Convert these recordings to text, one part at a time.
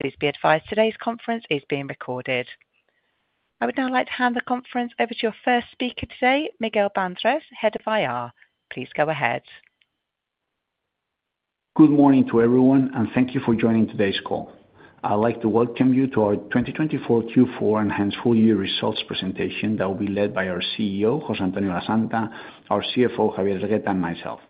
Please be advised today's conference is being recorded. I would now like to hand the conference over to your first speaker today, Miguel Bandrés, Head of IR. Please go ahead. Good morning to everyone, and thank you for joining today's call. I'd like to welcome you to our 2024 Q4 Enhanced Full Year Results presentation that will be led by our CEO, José Antonio Lasanta, our CFO, Javier Hergueta, and myself.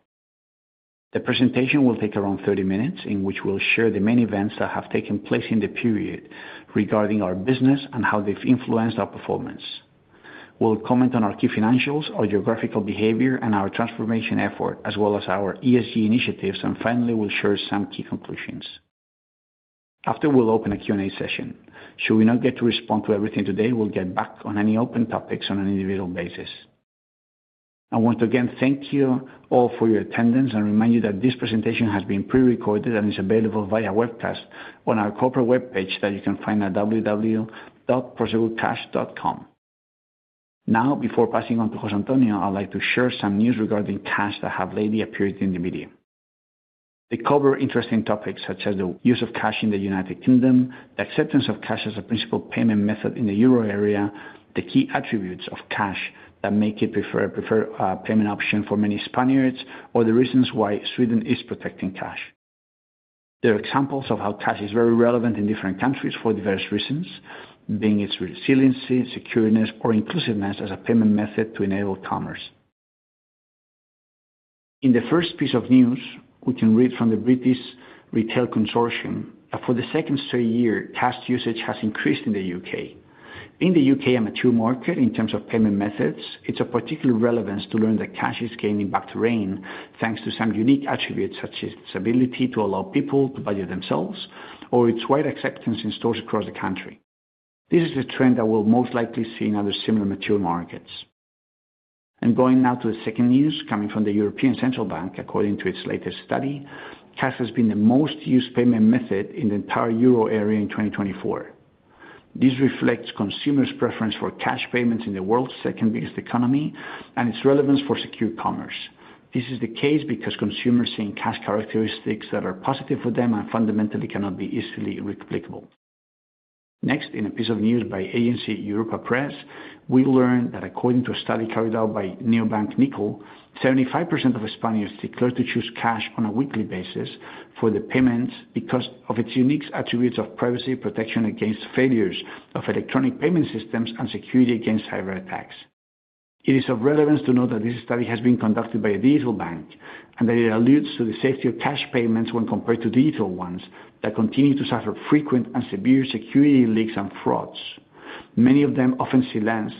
The presentation will take around 30 minutes, in which we'll share the main events that have taken place in the period regarding our business and how they've influenced our performance. We'll comment on our key financials, our geographical behavior, and our transformation effort, as well as our ESG initiatives, and finally, we'll share some key conclusions. After we'll open a Q&A session. Should we not get to respond to everything today, we'll get back on any open topics on an individual basis. I want to again thank you all for your attendance and remind you that this presentation has been pre-recorded and is available via webcast on our corporate web page that you can find at www.prosegurcash.com. Now, before passing on to José Antonio, I'd like to share some news regarding cash that have lately appeared in the media. They cover interesting topics such as the use of cash in the United Kingdom, the acceptance of cash as a principal payment method in the euro area, the key attributes of cash that make it a preferred payment option for many Spaniards, or the reasons why Sweden is protecting cash. There are examples of how cash is very relevant in different countries for diverse reasons, being its resiliency, secureness, or inclusiveness as a payment method to enable commerce. In the first piece of news, we can read from the British Retail Consortium that for the second straight year, cash usage has increased in the U.K. In the U.K., a mature market in terms of payment methods, it's of particular relevance to learn that cash is gaining back ground thanks to some unique attributes such as its ability to allow people to value themselves or its wide acceptance in stores across the country. This is a trend that we'll most likely see in other similar mature markets. And going now to the second news coming from the European Central Bank, according to its latest study, cash has been the most used payment method in the entire euro area in 2024. This reflects consumers' preference for cash payments in the world's second biggest economy and its relevance for secure commerce. This is the case because consumers see in cash characteristics that are positive for them and fundamentally cannot be easily replicable. Next, in a piece of news by Europa Press, we learn that according to a study carried out by neobank Nickel, 75% of Spaniards declare to choose cash on a weekly basis for their payments because of its unique attributes of privacy protection against failures of electronic payment systems and security against cyberattacks. It is of relevance to note that this study has been conducted by a digital bank and that it alludes to the safety of cash payments when compared to digital ones that continue to suffer frequent and severe security leaks and frauds. Many of them often see length,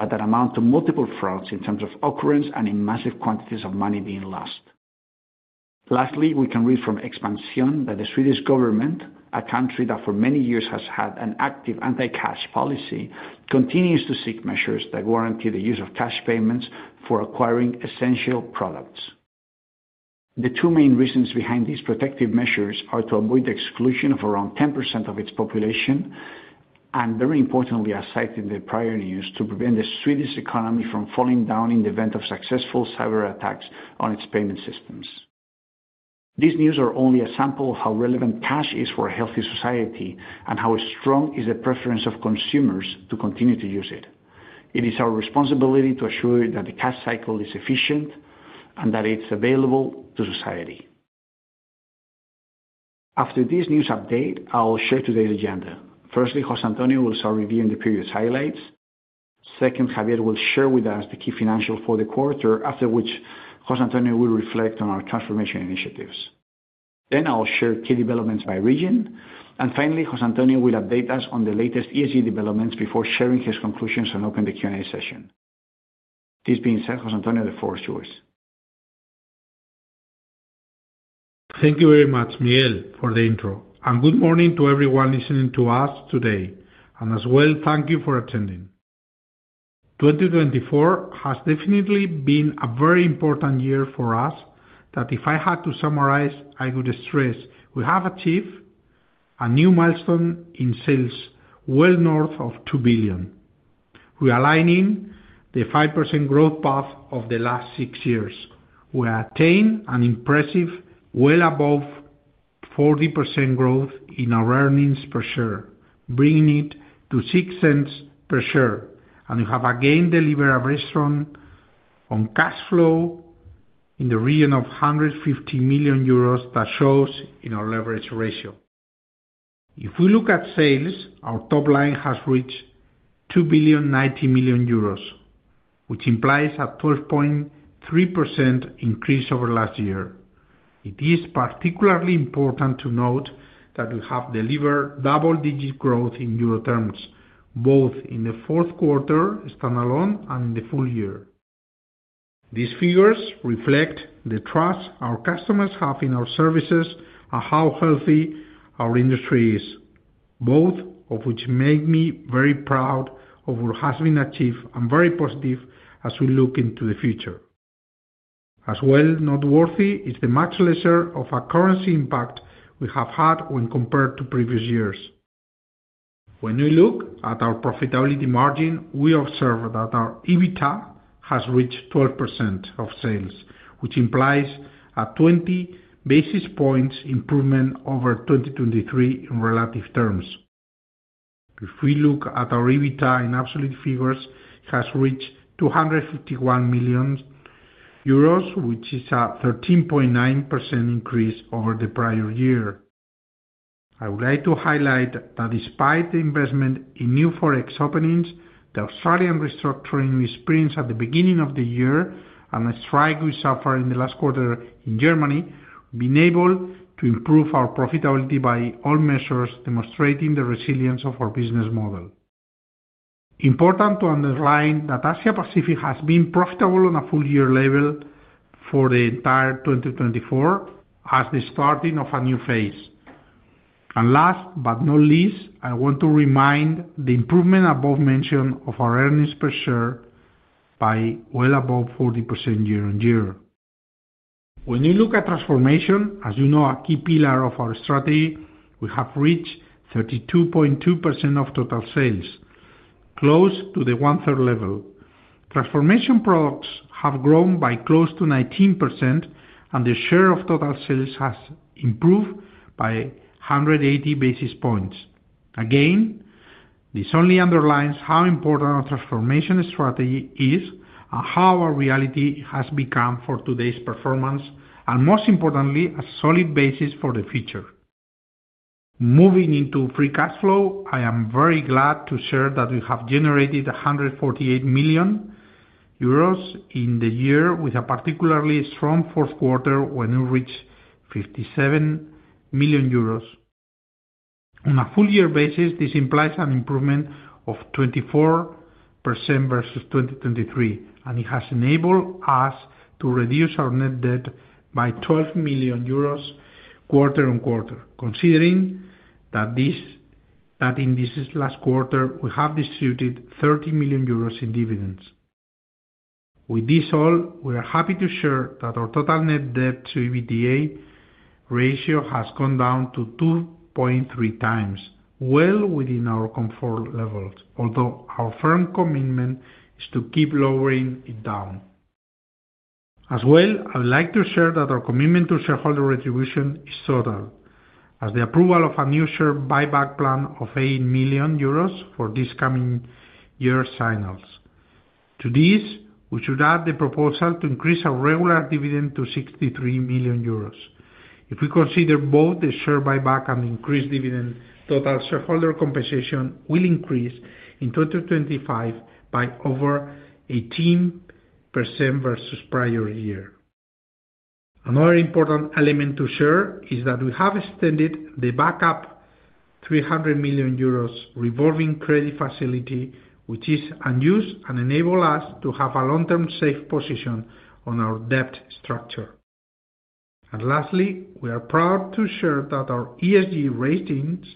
but that amount to multiple frauds in terms of occurrence and in massive quantities of money being lost. Lastly, we can read from Expansión that the Swedish government, a country that for many years has had an active anti-cash policy, continues to seek measures that guarantee the use of cash payments for acquiring essential products. The two main reasons behind these protective measures are to avoid the exclusion of around 10% of its population and, very importantly, as cited in the prior news, to prevent the Swedish economy from falling down in the event of successful cyberattacks on its payment systems. These news are only a sample of how relevant cash is for a healthy society and how strong is the preference of consumers to continue to use it. It is our responsibility to assure that the cash cycle is efficient and that it's available to society. After this news update, I'll share today's agenda. Firstly, José Antonio will start reviewing the period's highlights. Second, Javier will share with us the key financials for the quarter, after which José Antonio will reflect on our transformation initiatives. Then I'll share key developments by region. And finally, José Antonio will update us on the latest ESG developments before sharing his conclusions and open the Q&A session. This being said, José Antonio, the floor is yours. Thank you very much, Miguel, for the intro. Good morning to everyone listening to us today. As well, thank you for attending. 2024 has definitely been a very important year for us that if I had to summarize, I would stress we have achieved a new milestone in sales well north of 2 billion. We are aligning the 5% growth path of the last six years. We have attained an impressive well above 40% growth in our earnings per share, bringing it to 0.06 per share. We have again delivered a very strong cash flow in the region of 150 million euros that shows in our leverage ratio. If we look at sales, our top line has reached 2.09 billion, which implies a 12.3% increase over last year. It is particularly important to note that we have delivered double-digit growth in euro terms, both in the fourth quarter standalone and in the full year. These figures reflect the trust our customers have in our services and how healthy our industry is, both of which make me very proud of what has been achieved and very positive as we look into the future. As well, noteworthy is the much lesser of a currency impact we have had when compared to previous years. When we look at our profitability margin, we observe that our EBITDA has reached 12% of sales, which implies a 20 basis points improvement over 2023 in relative terms. If we look at our EBITDA in absolute figures, it has reached 251 million euros, which is a 13.9% increase over the prior year. I would like to highlight that despite the investment in new Forex openings, the Australian restructuring we experienced at the beginning of the year and the strike we suffered in the last quarter in Germany have been able to improve our profitability by all measures, demonstrating the resilience of our business model. Important to underline that Asia Pacific has been profitable on a full-year level for the entire 2024 as the starting of a new phase, and last but not least, I want to remind the improvement above-mentioned of our earnings per share by well above 40% year on year. When you look at transformation, as you know, a key pillar of our strategy, we have reached 32.2% of total sales, close to the one-third level. Transformation products have grown by close to 19%, and the share of total sales has improved by 180 basis points. Again, this only underlines how important our transformation strategy is and how our reality has become for today's performance and, most importantly, a solid basis for the future. Moving into free cash flow, I am very glad to share that we have generated 148 million euros in the year with a particularly strong fourth quarter when we reached 57 million euros. On a full-year basis, this implies an improvement of 24% versus 2023, and it has enabled us to reduce our net debt by 12 million euros quarter on quarter, considering that in this last quarter we have distributed 30 million euros in dividends. With this all, we are happy to share that our total net debt to EBITDA ratio has gone down to 2.3 times, well within our comfort levels, although our firm commitment is to keep lowering it down. As well, I would like to share that our commitment to shareholder remuneration is thorough, as the approval of a new share buyback plan of 8 million euros for this coming year signals. To this, we should add the proposal to increase our regular dividend to 63 million euros. If we consider both the share buyback and increased dividend, total shareholder compensation will increase in 2025 by over 18% versus prior year. Another important element to share is that we have extended the backup 300 million euros revolving credit facility, which is unused and enables us to have a long-term safe position on our debt structure. And lastly, we are proud to share that our ESG ratings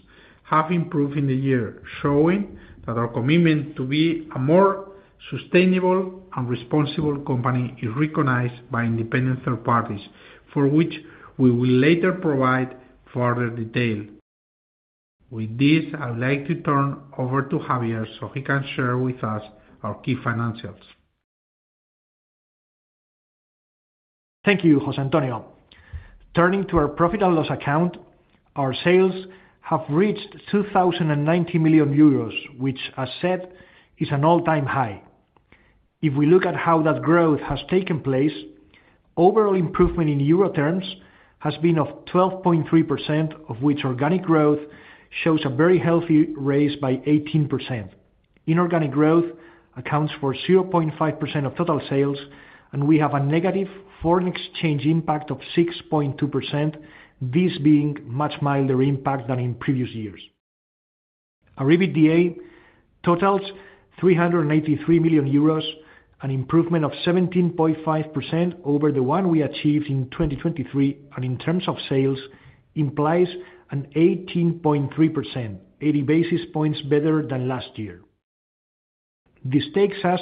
have improved in the year, showing that our commitment to be a more sustainable and responsible company is recognized by independent third parties, for which we will later provide further detail. With this, I would like to turn over to Javier so he can share with us our key financials. Thank you, José Antonio. Turning to our profit and loss account, our sales have reached 2,090 million euros, which, as said, is an all-time high. If we look at how that growth has taken place, overall improvement in EUR terms has been of 12.3%, of which organic growth shows a very healthy raise by 18%. Inorganic growth accounts for 0.5% of total sales, and we have a negative foreign exchange impact of 6.2%, this being a much milder impact than in previous years. Our EBITDA totals 383 million euros, an improvement of 17.5% over the one we achieved in 2023, and in terms of sales, it implies an 18.3%, 80 basis points better than last year. This takes us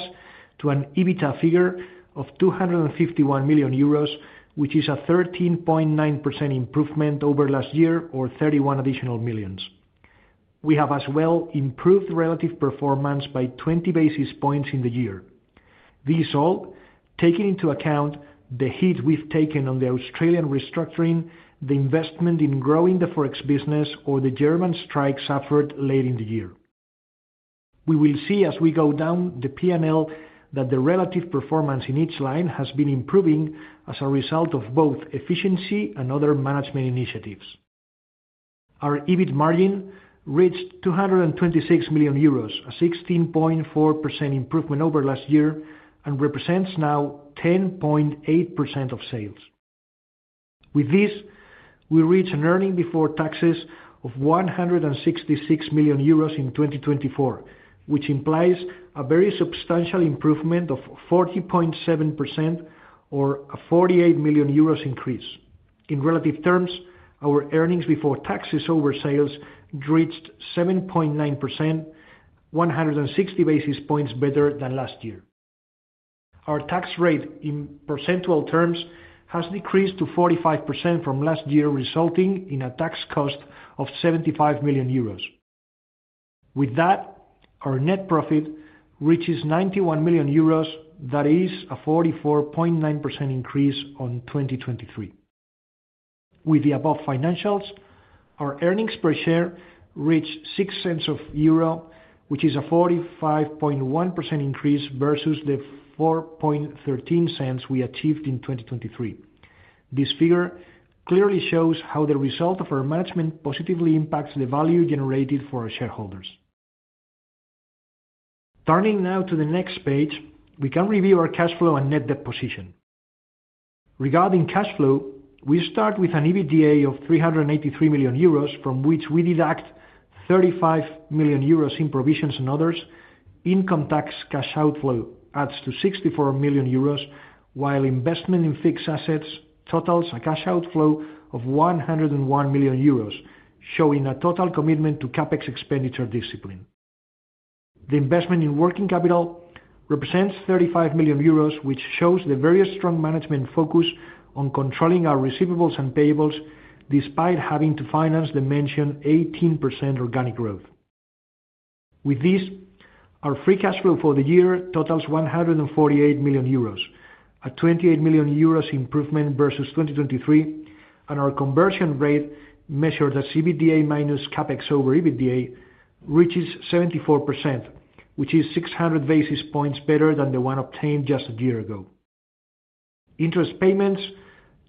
to an EBIT figure of 251 million euros, which is a 13.9% improvement over last year, or 31 additional million EUR. We have as well improved relative performance by 20 basis points in the year. This is all taking into account the hit we've taken on the Australian restructuring, the investment in growing the Forex business, or the German strike suffered late in the year. We will see as we go down the P&L that the relative performance in each line has been improving as a result of both efficiency and other management initiatives. Our EBIT margin reached 226 million euros, a 16.4% improvement over last year, and represents now 10.8% of sales. With this, we reach an earnings before taxes of 166 million euros in 2024, which implies a very substantial improvement of 40.7%, or a 48 million euros increase. In relative terms, our earnings before taxes over sales reached 7.9%, 160 basis points better than last year. Our tax rate in percentage terms has decreased to 45% from last year, resulting in a tax cost of 75 million euros. With that, our net profit reaches 91 million euros, that is a 44.9% increase on 2023. With the above financials, our earnings per share reached 0.06, which is a 45.1% increase versus the 0.0413 we achieved in 2023. This figure clearly shows how the result of our management positively impacts the value generated for our shareholders. Turning now to the next page, we can review our cash flow and net debt position. Regarding cash flow, we start with an EBITDA of 383 million euros, from which we deduct 35 million euros in provisions and others. Income tax cash outflow adds to 64 million euros, while investment in fixed assets totals a cash outflow of 101 million euros, showing a total commitment to CapEx expenditure discipline. The investment in working capital represents 35 million euros, which shows the very strong management focus on controlling our receivables and payables despite having to finance the mentioned 18% organic growth. With this, our free cash flow for the year totals 148 million euros, a 28 million euros improvement versus 2023, and our conversion rate measured as EBITDA minus CapEx over EBITDA reaches 74%, which is 600 basis points better than the one obtained just a year ago. Interest payments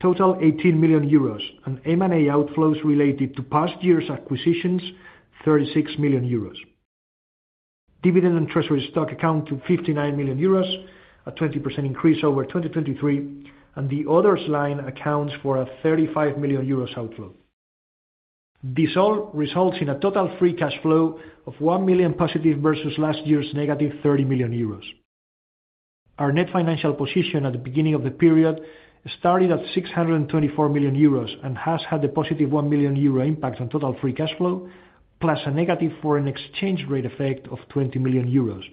total 18 million euros, and M&A outflows related to past year's acquisitions, 36 million euros. Dividend and treasury stock account to 59 million euros, a 20% increase over 2023, and the others line accounts for a 35 million euros outflow. This all results in a total free cash flow of 1 million positive versus last year's negative 30 million euros. Our net financial position at the beginning of the period started at 624 million euros and has had the positive 1 million euro impact on total free cash flow, plus a negative foreign exchange rate effect of 20 million euros,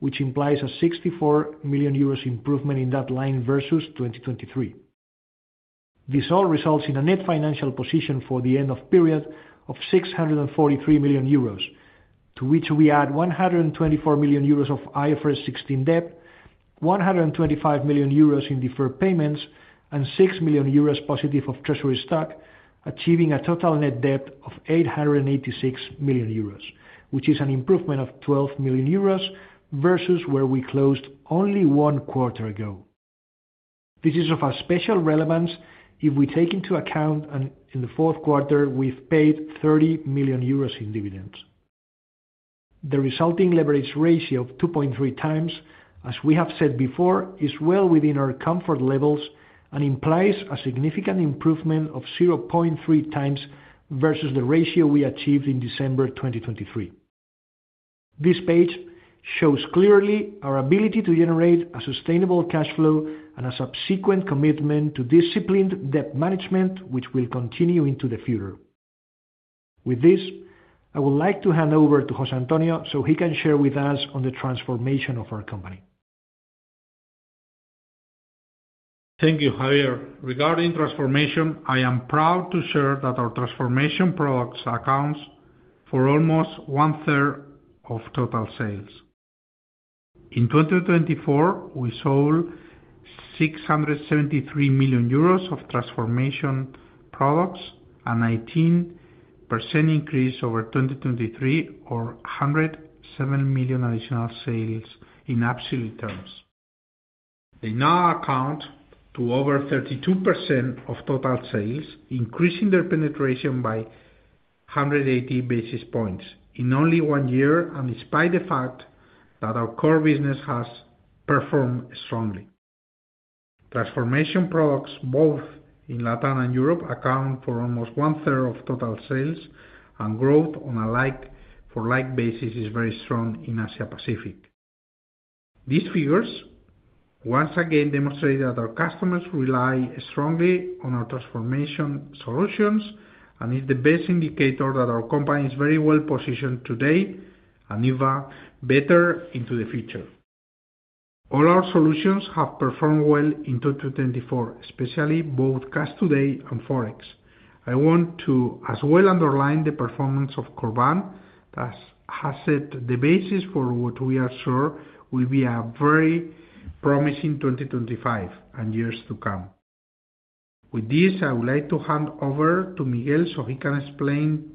which implies a 64 million euros improvement in that line versus 2023. This all results in a net financial position for the end of period of 643 million euros, to which we add 124 million euros of IFRS 16 debt, 125 million euros in deferred payments, and 6 million euros positive of treasury stock, achieving a total net debt of 886 million euros, which is an improvement of 12 million euros versus where we closed only one quarter ago. This is of special relevance if we take into account in the fourth quarter we've paid 30 million euros in dividends. The resulting leverage ratio of 2.3 times, as we have said before, is well within our comfort levels and implies a significant improvement of 0.3 times versus the ratio we achieved in December 2023. This page shows clearly our ability to generate a sustainable cash flow and a subsequent commitment to disciplined debt management, which will continue into the future. With this, I would like to hand over to José Antonio so he can share with us on the transformation of our company. Thank you, Javier. Regarding transformation, I am proud to share that our transformation products account for almost one-third of total sales. In 2024, we sold 673 million euros of transformation products, a 19% increase over 2023, or 107 million additional sales in absolute terms. They now account for over 32% of total sales, increasing their penetration by 180 basis points in only one year, and despite the fact that our core business has performed strongly. Transformation products, both in LATAM and Europe, account for almost one-third of total sales, and growth on a like-for-like basis is very strong in Asia Pacific. These figures once again demonstrate that our customers rely strongly on our transformation solutions, and it's the best indicator that our company is very well positioned today and even better into the future. All our solutions have performed well in 2024, especially both Cash Today and Forex. I want to as well underline the performance of Corban, that has set the basis for what we are sure will be a very promising 2025 and years to come. With this, I would like to hand over to Miguel so he can explain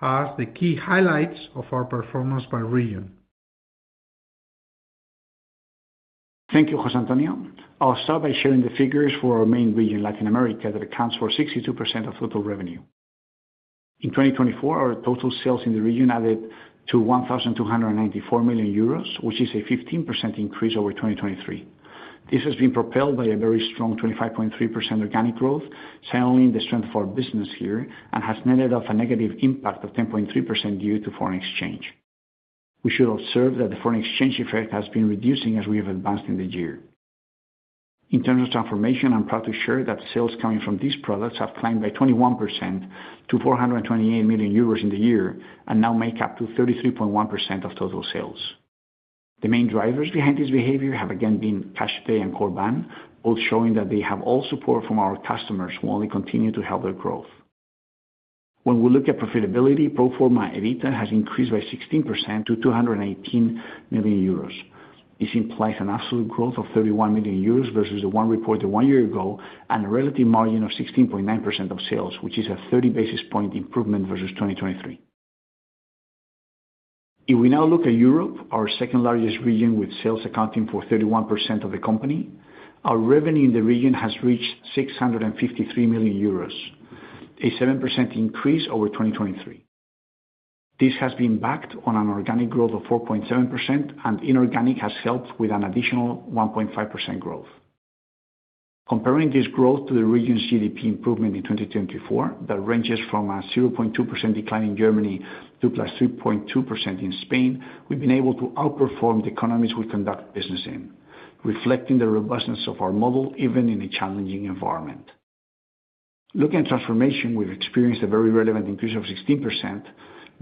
to us the key highlights of our performance by region. Thank you, José Antonio. I'll start by sharing the figures for our main region, Latin America, that accounts for 62% of total revenue. In 2024, our total sales in the region added to 1,294 million euros, which is a 15% increase over 2023. This has been propelled by a very strong 25.3% organic growth, signaling the strength of our business here, and has netted off a negative impact of 10.3% due to foreign exchange. We should observe that the foreign exchange effect has been reducing as we have advanced in the year. In terms of transformation, I'm proud to share that sales coming from these products have climbed by 21% to 428 million euros in the year and now make up to 33.1% of total sales. The main drivers behind this behavior have again been Cash Today and Corban, both showing that they have all support from our customers who only continue to help their growth. When we look at profitability, pro forma EBITDA has increased by 16% to 218 million euros. This implies an absolute growth of 31 million euros versus the one reported one year ago and a relative margin of 16.9% of sales, which is a 30 basis point improvement versus 2023. If we now look at Europe, our second largest region with sales accounting for 31% of the company, our revenue in the region has reached 653 million euros, a 7% increase over 2023. This has been backed on an organic growth of 4.7%, and inorganic has helped with an additional 1.5% growth. Comparing this growth to the region's GDP improvement in 2024, that ranges from a 0.2% decline in Germany to plus 3.2% in Spain, we've been able to outperform the economies we conduct business in, reflecting the robustness of our model even in a challenging environment. Looking at transformation, we've experienced a very relevant increase of 16%,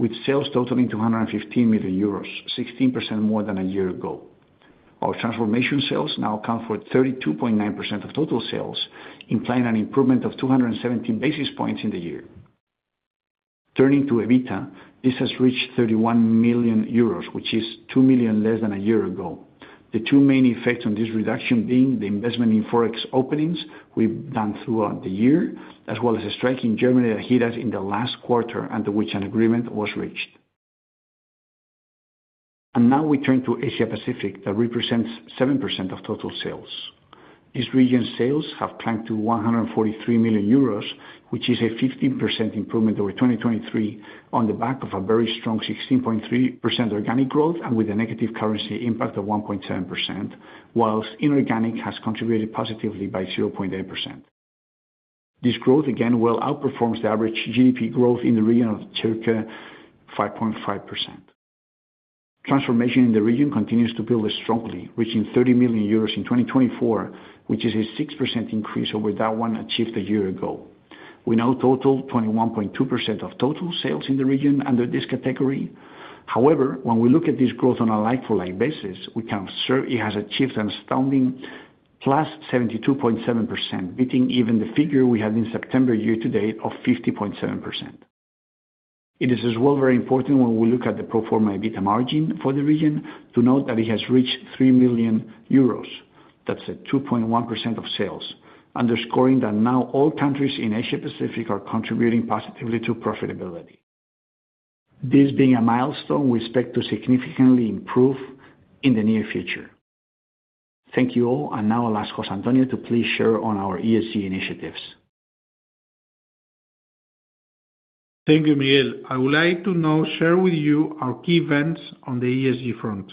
with sales totaling 215 million euros, 16% more than a year ago. Our transformation sales now account for 32.9% of total sales, implying an improvement of 217 basis points in the year. Turning to EBITDA, this has reached 31 million euros, which is 2 million EUR less than a year ago, the two main effects on this reduction being the investment in Forex openings we've done throughout the year, as well as a strike in Germany that hit us in the last quarter under which an agreement was reached. And now we turn to Asia Pacific, that represents 7% of total sales. This region's sales have climbed to 143 million euros, which is a 15% improvement over 2023 on the back of a very strong 16.3% organic growth and with a negative currency impact of 1.7%, whilst inorganic has contributed positively by 0.8%. This growth again well outperforms the average GDP growth in the region of circa 5.5%. Transformation in the region continues to build strongly, reaching 30 million euros in 2024, which is a 6% increase over that one achieved a year ago. We now total 21.2% of total sales in the region under this category. However, when we look at this growth on a like-for-like basis, we can observe it has achieved an astounding plus 72.7%, beating even the figure we had in September year to date of 50.7%. It is as well very important when we look at the pro forma EBITDA margin for the region to note that it has reached 3 million euros, that's a 2.1% of sales, underscoring that now all countries in Asia Pacific are contributing positively to profitability. This being a milestone we expect to significantly improve in the near future. Thank you all, and now I'll ask José Antonio to please share on our ESG initiatives. Thank you, Miguel. I would like to now share with you our key events on the ESG front.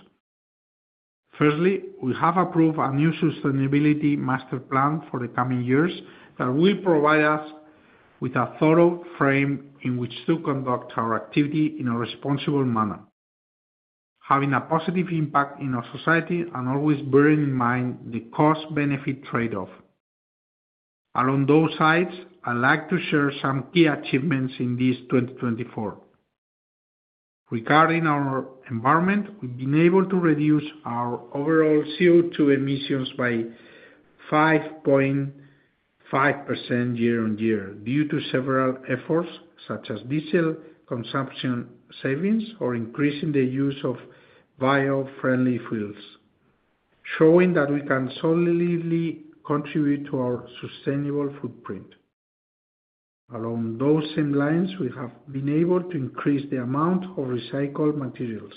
Firstly, we have approved a new sustainability master plan for the coming years that will provide us with a thorough frame in which to conduct our activity in a responsible manner, having a positive impact in our society and always bearing in mind the cost-benefit trade-off. Along those lines, I'd like to share some key achievements in this 2024. Regarding our environment, we've been able to reduce our overall CO2 emissions by 5.5% year on year due to several efforts such as diesel consumption savings or increasing the use of bio-friendly fuels, showing that we can solidly contribute to our sustainable footprint. Along those same lines, we have been able to increase the amount of recycled materials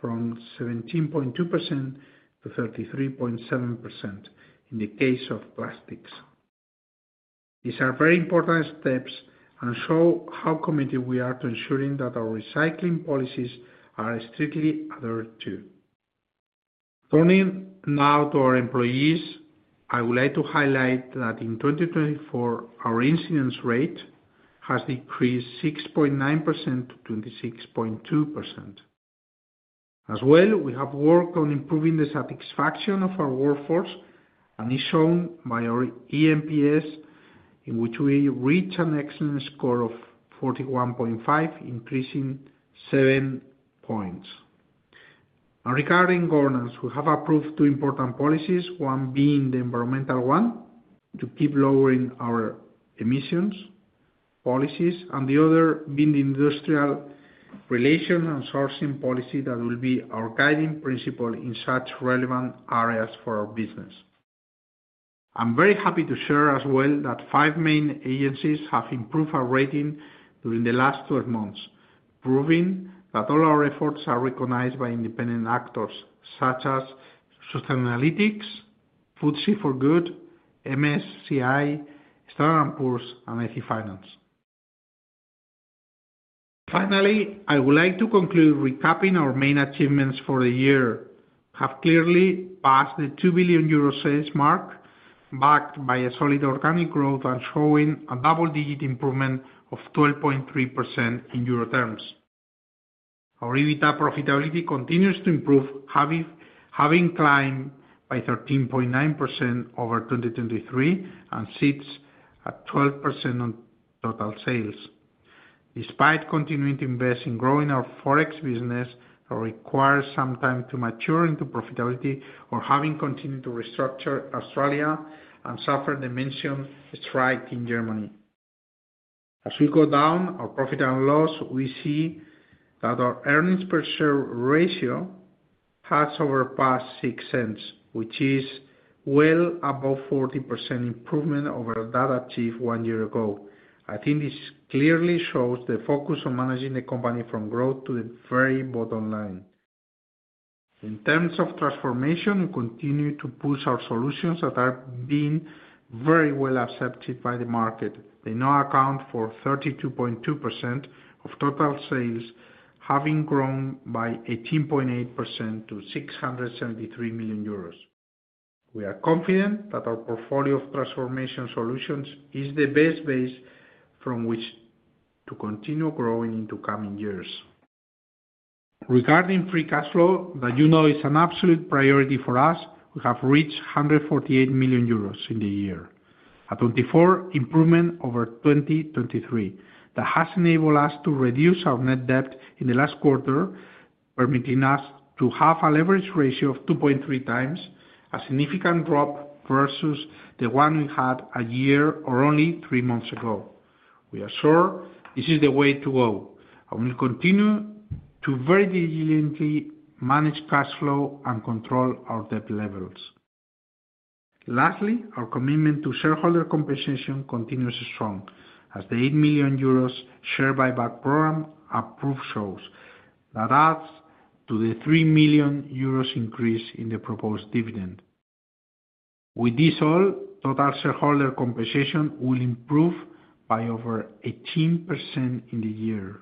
from 17.2% to 33.7% in the case of plastics. These are very important steps and show how committed we are to ensuring that our recycling policies are strictly adhered to. Turning now to our employees, I would like to highlight that in 2024, our incidence rate has decreased 6.9% to 26.2%. As well, we have worked on improving the satisfaction of our workforce, and it's shown by our eNPS, in which we reached an excellent score of 41.5, increasing 7 points, and regarding governance, we have approved two important policies, one being the environmental one to keep lowering our emissions policies, and the other being the industrial relations and sourcing policy that will be our guiding principle in such relevant areas for our business. I'm very happy to share as well that five main agencies have improved our rating during the last 12 months, proving that all our efforts are recognized by independent actors such as Sustainalytics, FTSE4Good, MSCI, S&P Global, and EthiFinance. Finally, I would like to conclude recapping our main achievements for the year. We have clearly passed the 2 billion euro sales mark, backed by a solid organic growth and showing a double-digit improvement of 12.3% in euro terms. Our EBITDA profitability continues to improve, having climbed by 13.9% over 2023 and sits at 12% on total sales. Despite continuing to invest in growing our Forex business, it requires some time to mature into profitability, or having continued to restructure Australia and suffer the mentioned strike in Germany. As we go down our profit and loss, we see that our earnings per share ratio has overpassed 0.06, which is well above 40% improvement over that achieved one year ago. I think this clearly shows the focus on managing the company from growth to the very bottom line. In terms of transformation, we continue to push our solutions that are being very well accepted by the market. They now account for 32.2% of total sales, having grown by 18.8% to 673 million euros. We are confident that our portfolio of transformation solutions is the best base from which to continue growing into coming years. Regarding free cash flow, that you know is an absolute priority for us, we have reached 148 million euros in the year, a 24% improvement over 2023 that has enabled us to reduce our net debt in the last quarter, permitting us to have a leverage ratio of 2.3 times, a significant drop versus the one we had a year or only three months ago. We are sure this is the way to go, and we'll continue to very diligently manage cash flow and control our debt levels. Lastly, our commitment to shareholder compensation continues strong, as the 8 million euros share buyback program approved shows that adds to the 3 million euros increase in the proposed dividend. With this all, total shareholder compensation will improve by over 18% in the year.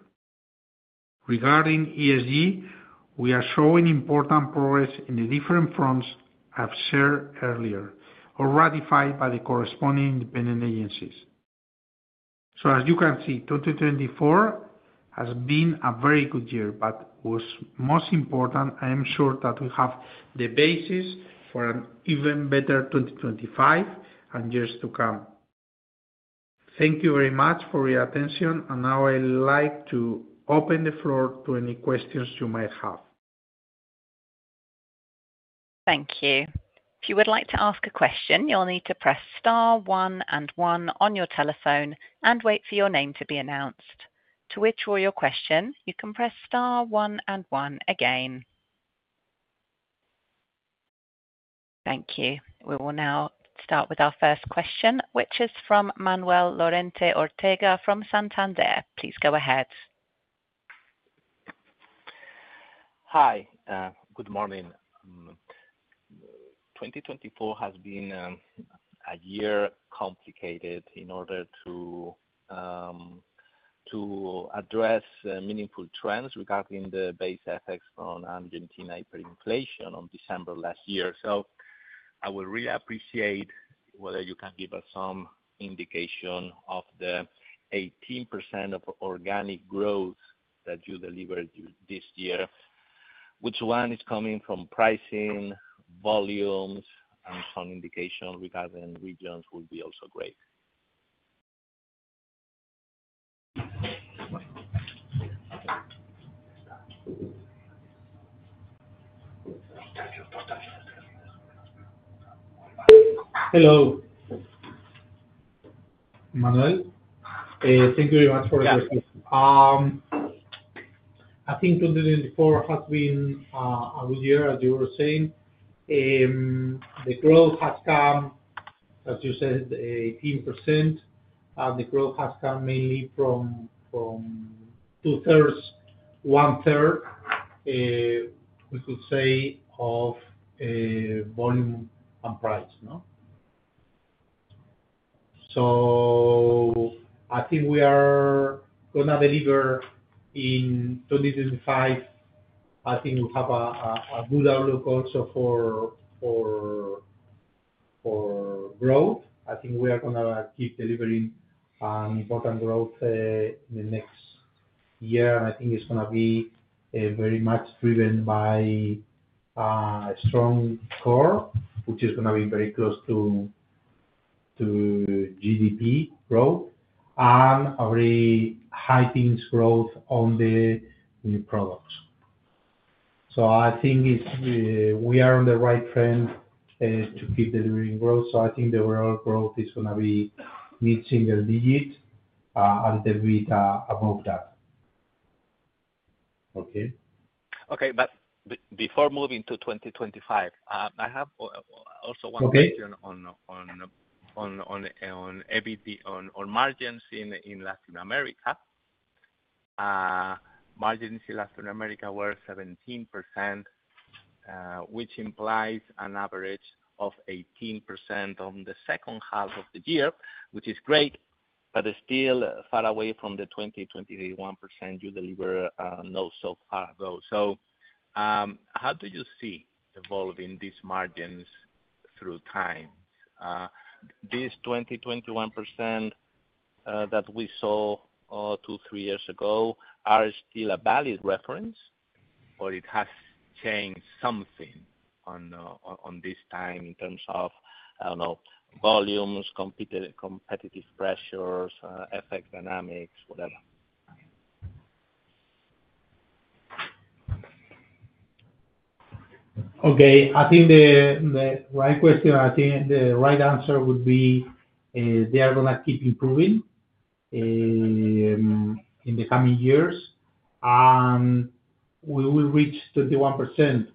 Regarding ESG, we are showing important progress in the different fronts I've shared earlier, all ratified by the corresponding independent agencies, so as you can see, 2024 has been a very good year, but what's most important, I am sure that we have the basis for an even better 2025 and years to come. Thank you very much for your attention, and now I'd like to open the floor to any questions you might have. Thank you. If you would like to ask a question, you'll need to press star one and one on your telephone and wait for your name to be announced. To withdraw your question, you can press star one and one again. Thank you. We will now start with our first question, which is from Manuel Lorente Ortega from Santander. Please go ahead. Hi, good morning. 2024 has been a year complicated in order to address meaningful trends regarding the base effects on Argentina hyperinflation on December last year. So I would really appreciate whether you can give us some indication of the 18% of organic growth that you delivered this year. Which one is coming from pricing, volumes, and some indication regarding regions would be also great. Hello, Manuel. Thank you very much for the question. I think 2024 has been a good year, as you were saying. The growth has come, as you said, 18%. The growth has come mainly from two-thirds, one-third, we could say, of volume and price, no? So I think we are going to deliver in 2025. I think we have a good outlook also for growth. I think we are going to keep delivering an important growth in the next year, and I think it's going to be very much driven by a strong core, which is going to be very close to GDP growth and a very high-paced growth on the new products. So I think we are on the right train to keep delivering growth. So I think the overall growth is going to be mid-single digit, a little bit above that. Okay? Okay. But before moving to 2025, I have also one question on margins in Latin America. Margins in Latin America were 17%, which implies an average of 18% on the second half of the year, which is great, but still far away from the 20.1% you delivered so long ago. So how do you see evolving these margins through time? This 20.1% that we saw two or three years ago, are still a valid reference, or it has changed something on this time in terms of, I don't know, volumes, competitive pressures, FX dynamics, whatever? Okay. I think the right question, I think the right answer would be they are going to keep improving in the coming years, and we will reach 21%.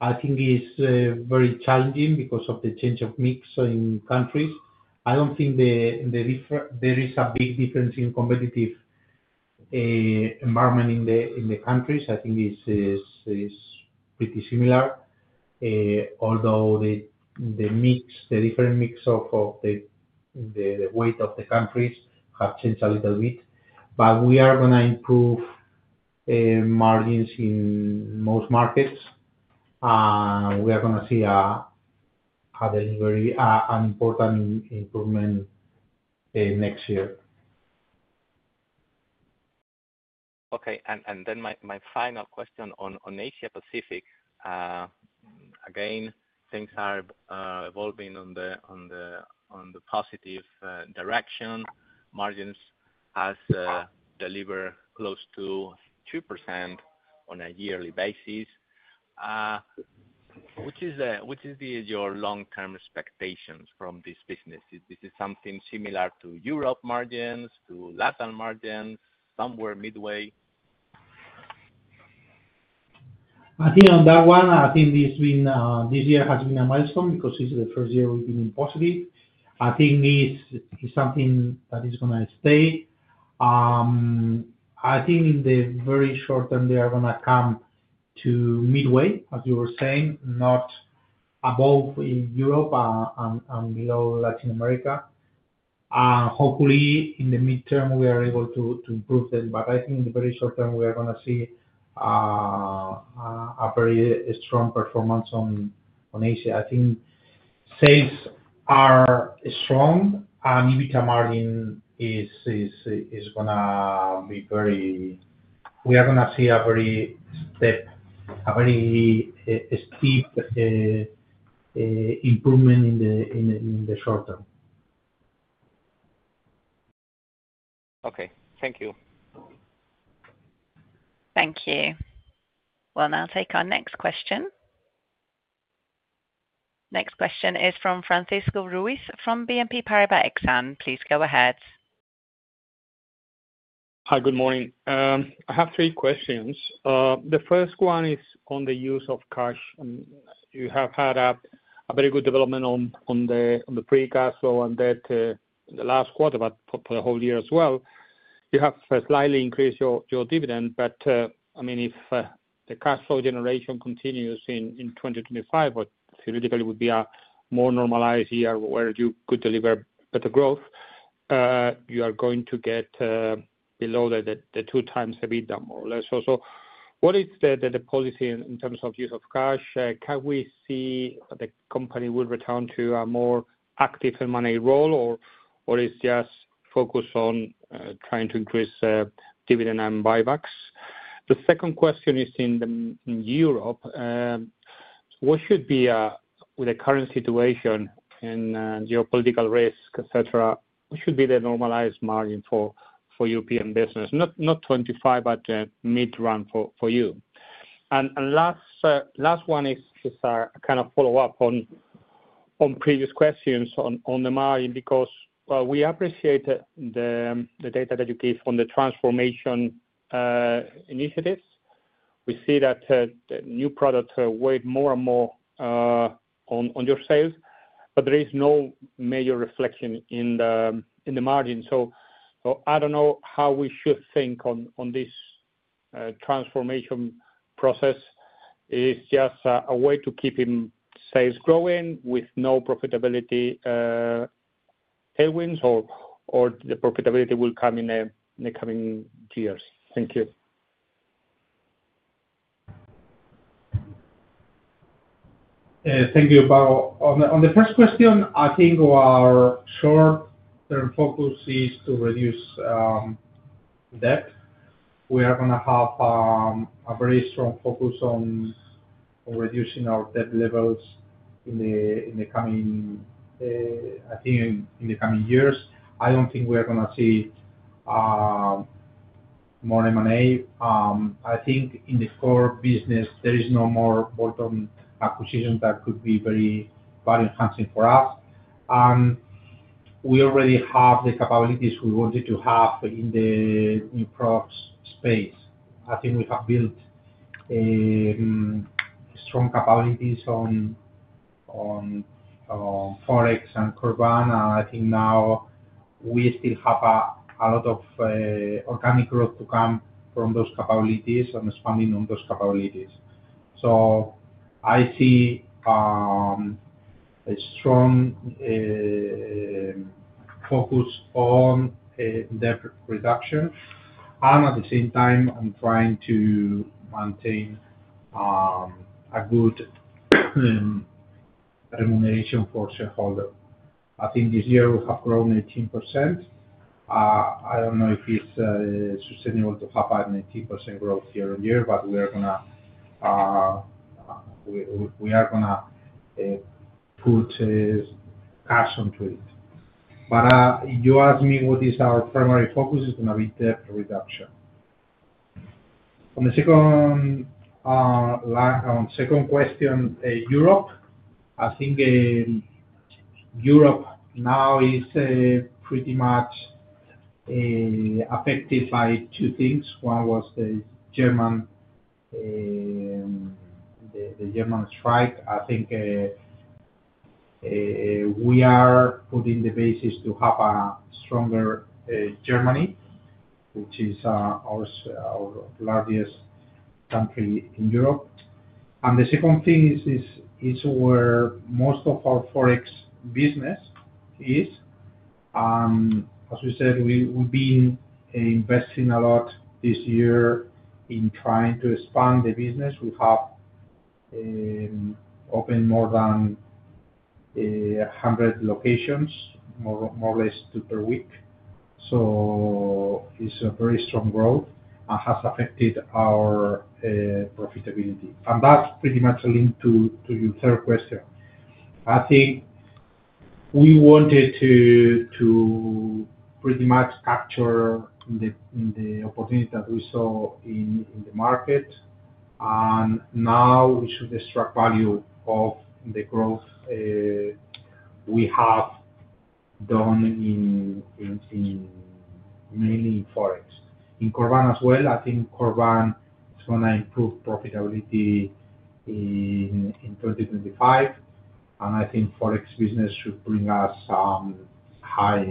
I think it's very challenging because of the change of mix in countries. I don't think there is a big difference in competitive environment in the countries. I think it's pretty similar, although the different mix of the weight of the countries have changed a little bit. But we are going to improve margins in most markets, and we are going to see an important improvement next year. Okay. And then my final question on Asia Pacific. Again, things are evolving in the positive direction. Margins have delivered close to 2% on a yearly basis. Which is your long-term expectations from this business? Is this something similar to Europe margins, to Latin margins, somewhere midway? I think on that one, I think this year has been a milestone because it's the first year we've been in positive. I think it's something that is going to stay. I think in the very short term, they are going to come to midway, as you were saying, not above Europe and below Latin America. Hopefully, in the midterm, we are able to improve them. But I think in the very short term, we are going to see a very strong performance on Asia. I think sales are strong, and EBITDA margin is going to be very, we are going to see a very steep improvement in the short term. Okay. Thank you. Thank you. We'll now take our next question. Next question is from Francisco Ruiz from BNP Paribas Exane. Please go ahead. Hi, good morning. I have three questions. The first one is on the use of cash. You have had a very good development on the free cash flow and debt in the last quarter, but for the whole year as well. You have slightly increased your dividend, but I mean, if the cash flow generation continues in 2025, what theoretically would be a more normalized year where you could deliver better growth, you are going to get below the two times EBITDA, more or less. Also, what is the policy in terms of use of cash? Can we see the company will return to a more active M&A role, or is it just focused on trying to increase dividend and buybacks? The second question is in Europe. What should be, with the current situation and geopolitical risk, etc., what should be the normalized margin for European business? Not 25, but mid-run for you. And last one is a kind of follow-up on previous questions on the margin because we appreciate the data that you gave on the transformation initiatives. We see that the new products weigh more and more on your sales, but there is no major reflection in the margin. So I don't know how we should think on this transformation process. Is it just a way to keep sales growing with no profitability headwinds, or the profitability will come in the coming years? Thank you. Thank you, Francisco. On the first question, I think our short-term focus is to reduce debt. We are going to have a very strong focus on reducing our debt levels. I think in the coming years, I don't think we are going to see more M&A. I think in the core business, there is no more bolt-on acquisition that could be very value-enhancing for us. We already have the capabilities we wanted to have in the new products space. I think we have built strong capabilities on Forex and Corban. I think now we still have a lot of organic growth to come from those capabilities and expanding on those capabilities. So I see a strong focus on debt reduction, and at the same time, I'm trying to maintain a good remuneration for shareholders. I think this year we have grown 18%. I don't know if it's sustainable to have an 18% growth year on year, but we are going to, we are going to put cash onto it. But if you ask me what is our primary focus, it's going to be debt reduction. On the second question, Europe, I think Europe now is pretty much affected by two things. One was the German strike. I think we are putting the basis to have a stronger Germany, which is our largest country in Europe. And the second thing is where most of our Forex business is. As we said, we've been investing a lot this year in trying to expand the business. We have opened more than 100 locations, more or less two per week. So it's a very strong growth and has affected our profitability. And that's pretty much linked to your third question. I think we wanted to pretty much capture the opportunity that we saw in the market, and now we should extract value of the growth we have done mainly in Forex. In Corban as well, I think Corban is going to improve profitability in 2025, and I think Forex business should bring us higher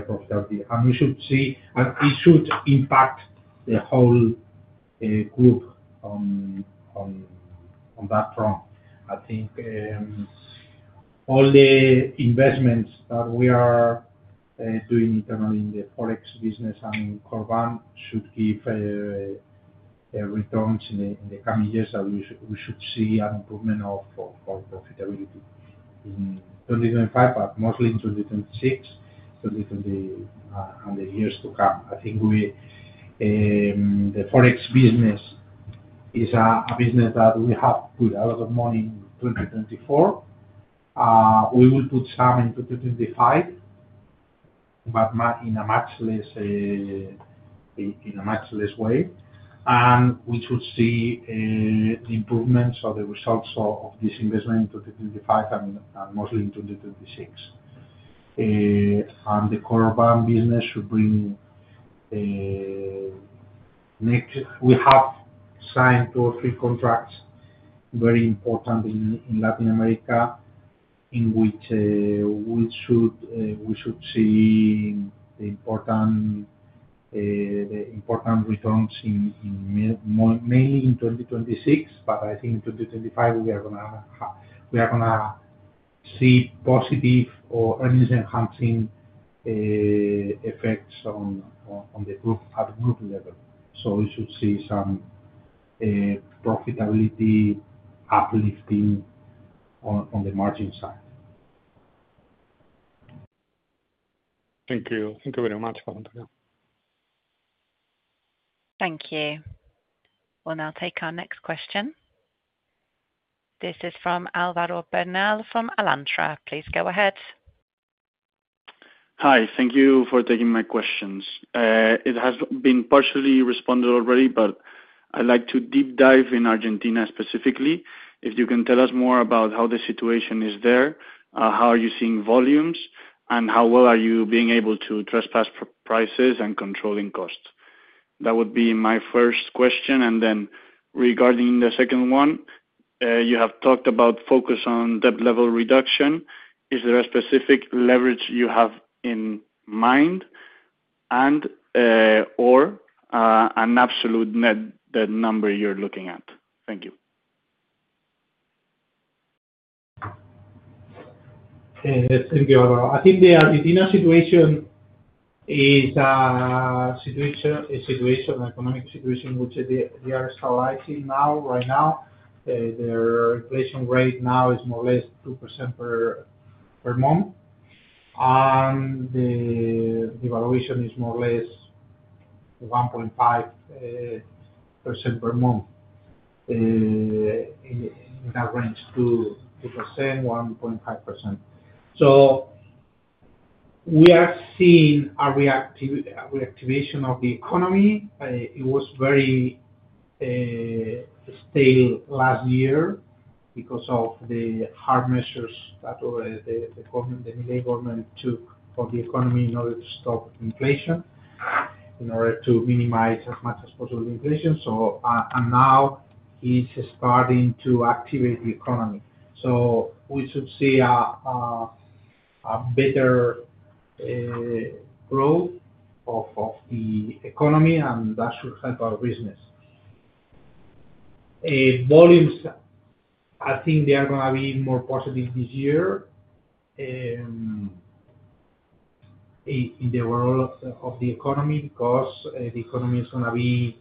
profitability. And we should see, and it should impact the whole group on that front. I think all the investments that we are doing internally in the Forex business and in Corban should give returns in the coming years. We should see an improvement of profitability in 2025, but mostly in 2026, 2020, and the years to come. I think the Forex business is a business that we have put a lot of money in 2024. We will put some in 2025, but in a much less way. We should see the improvements of the results of this investment in 2025 and mostly in 2026. The CORBAN business should bring, we have signed two or three contracts, very important in Latin America, in which we should see the important returns mainly in 2026. I think in 2025, we are going to see positive or earnings-enhancing effects on the group at the group level. We should see some profitability uplifting on the margin side. Thank you. Thank you very much. Thank you. We'll now take our next question. This is from Álvaro Bernal from Alantra. Please go ahead. Hi. Thank you for taking my questions. It has been partially responded already, but I'd like to deep dive in Argentina specifically. If you can tell us more about how the situation is there, how are you seeing volumes, and how well are you being able to pass prices and controlling costs? That would be my first question. And then regarding the second one, you have talked about focus on debt level reduction. Is there a specific leverage you have in mind, or an absolute net debt number you're looking at? Thank you. Thank you, Álvaro. I think the Argentina situation is an economic situation which they are stabilizing now. Right now, their inflation rate now is more or less 2% per month, and the devaluation is more or less 1.5% per month in that range, 2%, 1.5%. So we are seeing a reactivation of the economy. It was very stagnant last year because of the hard measures that the Milei government took on the economy in order to stop inflation, in order to minimize as much as possible inflation, and now it's starting to activate the economy. So we should see a better growth of the economy, and that should help our business. Volumes, I think they are going to be more positive this year in the overall of the economy because the economy is going to be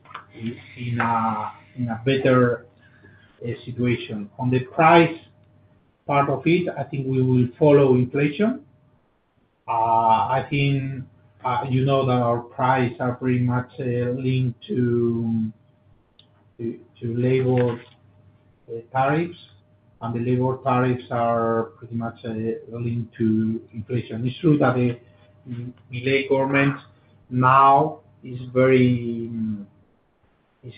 in a better situation. On the price part of it, I think we will follow inflation. I think you know that our prices are pretty much linked to labor tariffs, and the labor tariffs are pretty much linked to inflation. It's true that the Milei government now is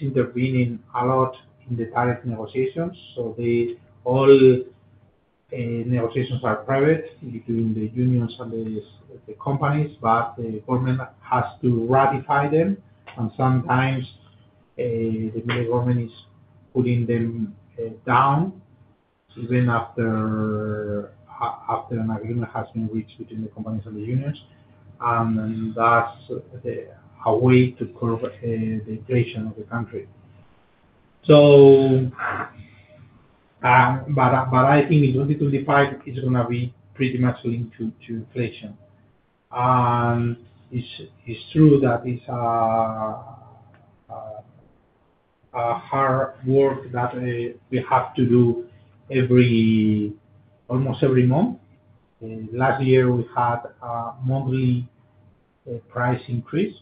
intervening a lot in the tariff negotiations. So all negotiations are private between the unions and the companies, but the government has to ratify them. And sometimes the Milei government is putting them down even after an agreement has been reached between the companies and the unions. And that's a way to curb the inflation of the country. But I think in 2025, it's going to be pretty much linked to inflation. And it's true that it's a hard work that we have to do almost every month. Last year, we had a monthly price increase,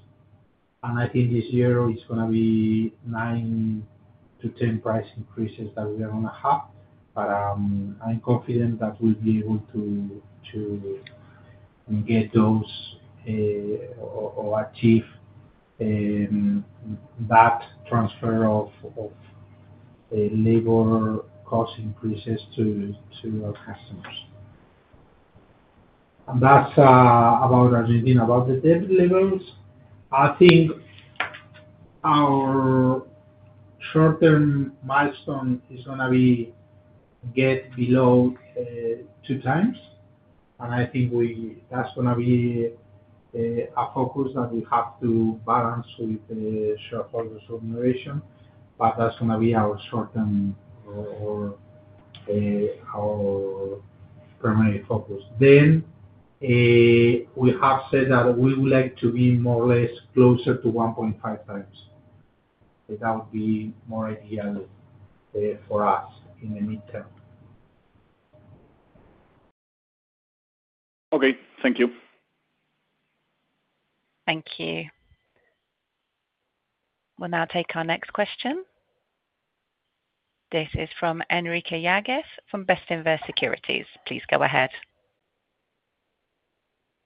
and I think this year it's going to be nine to 10 price increases that we are going to have. But I'm confident that we'll be able to get those or achieve that transfer of labor cost increases to our customers, and that's about Argentina. About the debt levels, I think our short-term milestone is going to be to get below two times. I think that's going to be a focus that we have to balance with shareholders' remuneration. But that's going to be our short-term or primary focus. We have said that we would like to be more or less closer to 1.5 times. That would be more ideal for us in the midterm. Okay. Thank you. Thank you. We'll now take our next question. This is from Enrique Yanguas from Bestinver Securities. Please go ahead.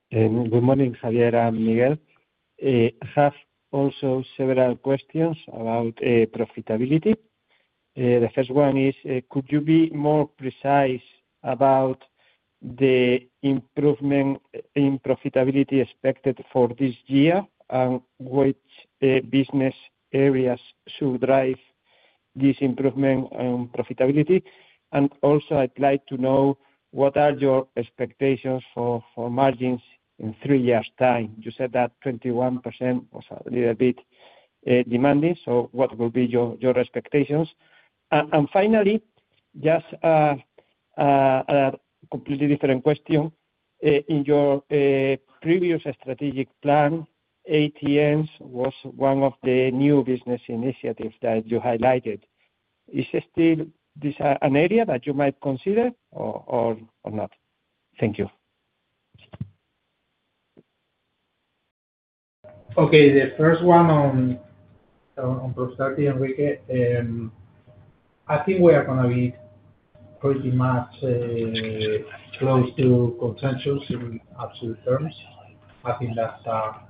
Good morning, Javier and Miguel. I have also several questions about profitability. The first one is, could you be more precise about the improvement in profitability expected for this year and which business areas should drive this improvement in profitability? And also, I'd like to know what are your expectations for margins in three years' time? You said that 21% was a little bit demanding. So what will be your expectations? And finally, just a completely different question. In your previous strategic plan, ATMs was one of the new business initiatives that you highlighted. Is this an area that you might consider or not? Thank you. Okay. The first one on profitability, Enrique, I think we are going to be pretty much close to consensus in absolute terms. I think that's our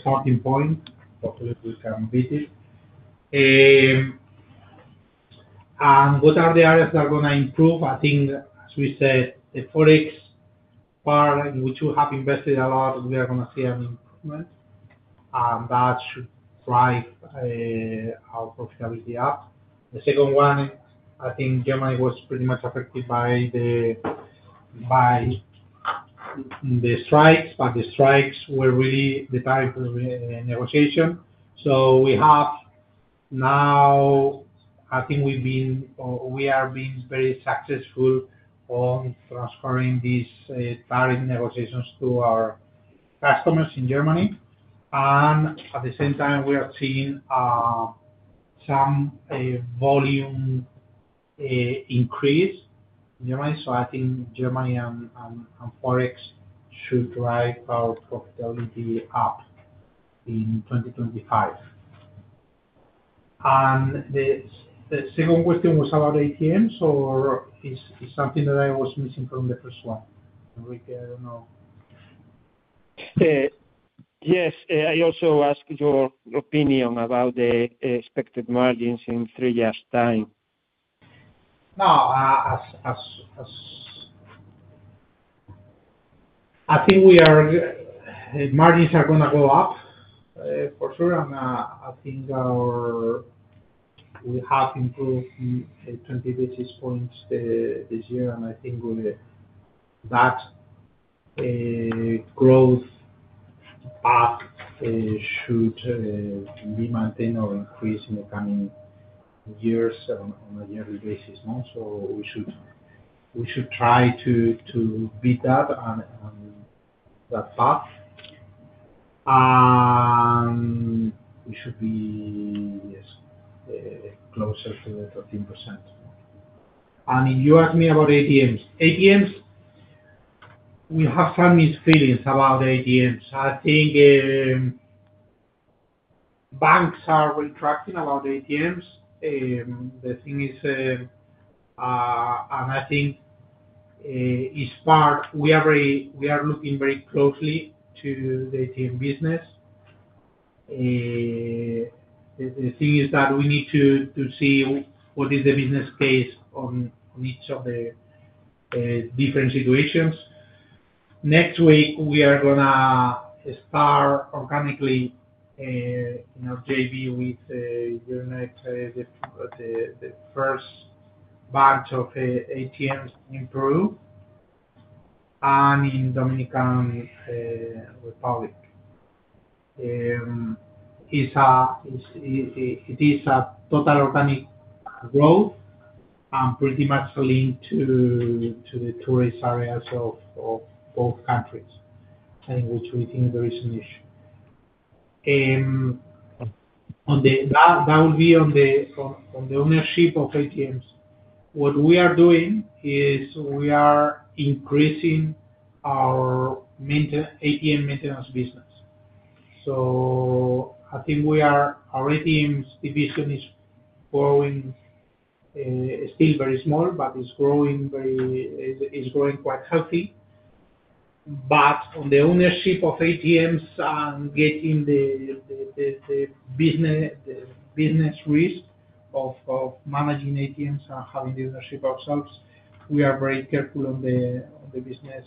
starting point, hopefully we can beat it. And what are the areas that are going to improve? I think, as we said, the Forex part, which we have invested a lot, we are going to see an improvement, and that should drive our profitability up. The second one, I think Germany was pretty much affected by the strikes, but the strikes were really the tariff negotiation. So we have now, I think we are being very successful on transferring these tariff negotiations to our customers in Germany. And at the same time, we are seeing some volume increase in Germany. So I think Germany and Forex should drive our profitability up in 2025. The second question was about ATMs, or is it something that I was missing from the first one? Enrique, I don't know. Yes. I also asked your opinion about the expected margins in three years' time. No. I think margins are going to go up for sure, and I think we have improved 20 basis points this year, and I think that growth path should be maintained or increased in the coming years on a yearly basis, so we should try to beat that path, and we should be closer to the 13%. And if you ask me about ATMs, ATMs, we have some misgivings about ATMs. I think banks are retracting about ATMs. The thing is, and I think it's part, we are looking very closely to the ATM business. The thing is that we need to see what is the business case on each of the different situations. Next week, we are going to start organically in our JV with the first batch of ATMs in Peru and in the Dominican Republic. It is a total organic growth and pretty much linked to the tourist areas of both countries in which we think there is an issue. That will be on the ownership of ATMs. What we are doing is we are increasing our ATM maintenance business. So I think our ATMs division is growing still very small, but it's growing quite healthy. But on the ownership of ATMs and getting the business risk of managing ATMs and having the ownership ourselves, we are very careful on the business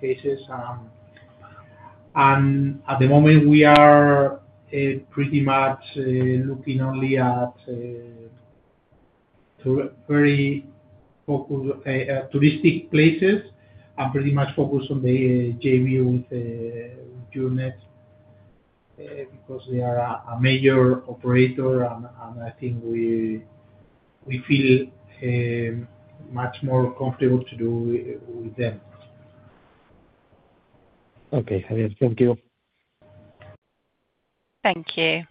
cases. And at the moment, we are pretty much looking only at very touristic places and pretty much focused on the JV with Euronet because they are a major operator. And I think we feel much more comfortable to do with them. Okay. Thank you. Thank you.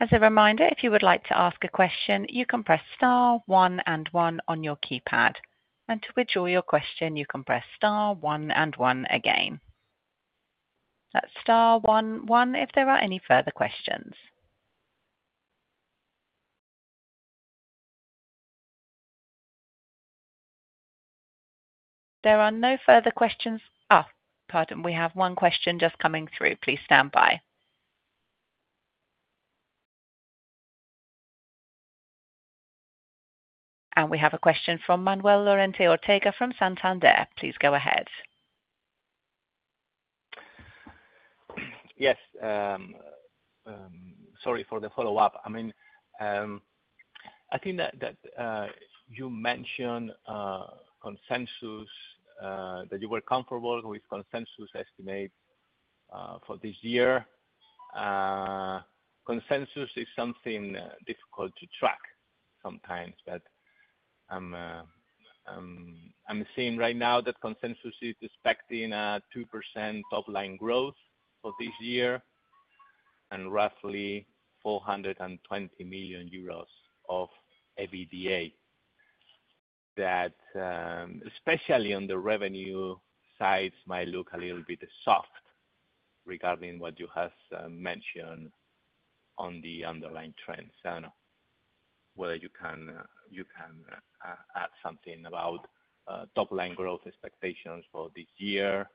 As a reminder, if you would like to ask a question, you can press star, one, and one on your keypad and to withdraw your question, you can press star, one, and one again. That's star, one, one if there are any further questions. There are no further questions. Oh, pardon. We have one question just coming through. Please stand by, and we have a question from Manuel Lorente Ortega from Santander. Please go ahead. Yes. Sorry for the follow-up. I mean, I think that you mentioned consensus, that you were comfortable with consensus estimate for this year. Consensus is something difficult to track sometimes. But I'm seeing right now that consensus is expecting a 2% top-line growth for this year and roughly EUR 420 million of EBITDA that, especially on the revenue side, might look a little bit soft regarding what you have mentioned on the underlying trends. I don't know whether you can add something about top-line growth expectations for this year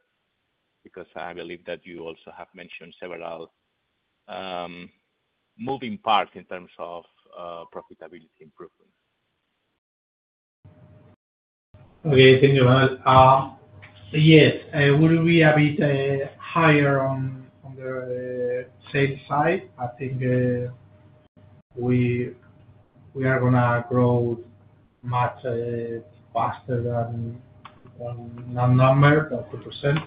because I believe that you also have mentioned several moving parts in terms of profitability improvement. Okay. Thank you, Manuel. Yes. It would be a bit higher on the sales side. I think we are going to grow much faster than that number, that two%.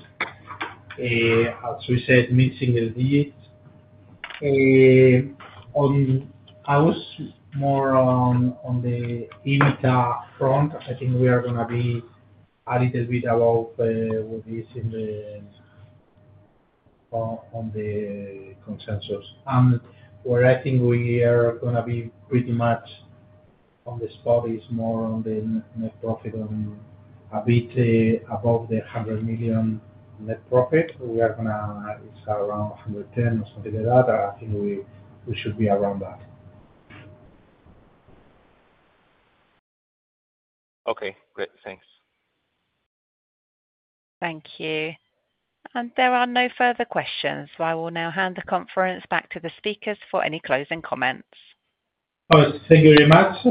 As we said, mid-single digits. I was more on the EBITDA front. I think we are going to be a little bit above what is in the consensus. And where I think we are going to be pretty much on the spot is more on the net profit or a bit above the 100 million net profit. We are going to be around 110 or something like that. I think we should be around that. Okay. Great. Thanks. Thank you. And there are no further questions. So I will now hand the conference back to the speakers for any closing comments. Thank you very much.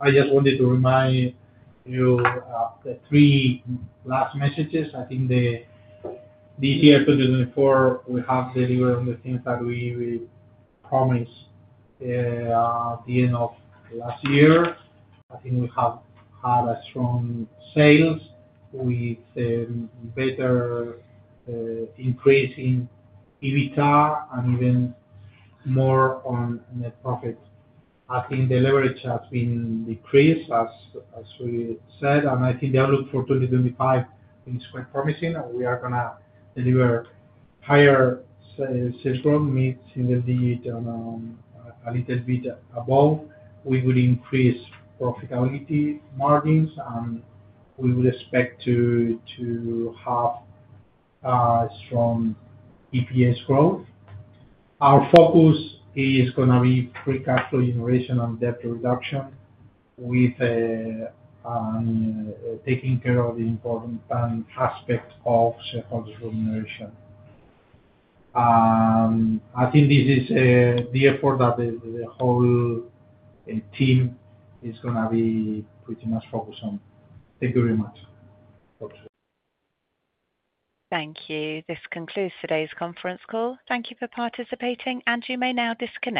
I just wanted to remind you of the three last messages. I think this year, 2024, we have delivered on the things that we promised at the end of last year. I think we have had strong sales with better increase in EBITDA and even more on net profit. I think the leverage has been decreased, as we said, and I think the outlook for 2025 is quite promising. We are going to deliver higher sales growth, mid-single digits, and a little bit above. We would increase profitability margins, and we would expect to have strong EPS growth. Our focus is going to be free cash flow generation and debt reduction with taking care of the important aspect of shareholders' remuneration, and I think this is the effort that the whole team is going to be pretty much focused on. Thank you very much. Thanks. Thank you. This concludes today's conference call. Thank you for participating, and you may now disconnect.